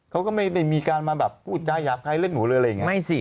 เขาก็ไม่ได้มีการมาแบบพูดจาหยาบคลายเล่นหนูหรืออะไรอย่างนี้ไม่สิ